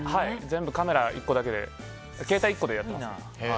全部カメラ１個だけで携帯だけでやってます。